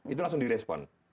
itu langsung di respon